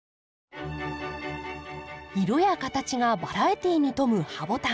色や形がバラエティーに富むハボタン。